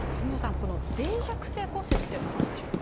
この脆弱性骨折というのは何でしょうか？